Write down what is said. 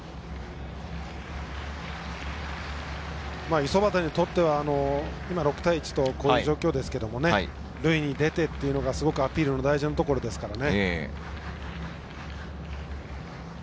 五十幡にとっては今６対１という状況ですけれど塁に出てというのがアピールの大事なところですからね。